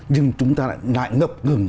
nhưng chúng ta lại ngập ngừng